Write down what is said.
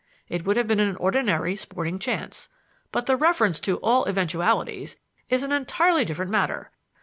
It would have been an ordinary sporting chance. But the reference to 'all eventualities' is an entirely different matter.